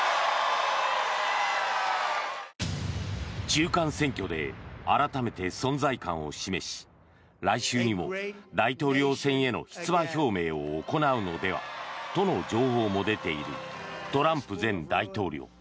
中間選挙で改めて存在感を示し来週にも大統領選への出馬表明を行うのではとの情報も出ているトランプ前大統領。